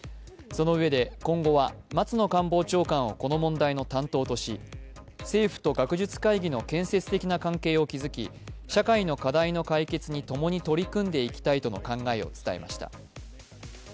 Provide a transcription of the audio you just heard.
そのうえで今後は松野官房長官をこの問題の担当とし政府と学術会議の建設的な関係を築き、社会の課題の解決に共に取り組んでいきたいとの考えを伝えました。